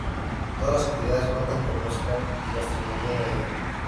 Todas las actividades cuentan con música y gastronomía gallega.